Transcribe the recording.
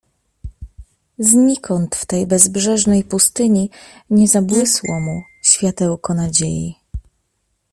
"Znikąd w tej bezbrzeżnej pustyni nie zabłysło mu światełko nadziei."